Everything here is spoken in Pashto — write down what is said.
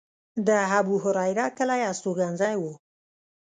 د ابوهریره کلی هستوګنځی و.